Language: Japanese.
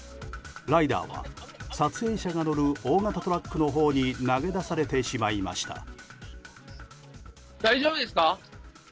ライダーは撮影者が乗る大型トラックのほうに投げ出されてしまいました。